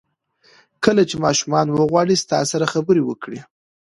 کله چې ماشومان وغواړي تاسو سره خبرې وکړي.